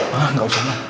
hah gak usah mama